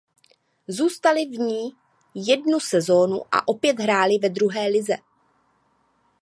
Zůstali v ní jednu sezonu a opět hráli ve druhé lize.